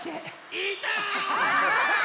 いた！